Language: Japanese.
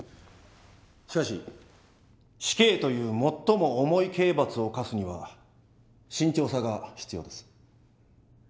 しかし死刑という最も重い刑罰を科すには慎重さが必要です。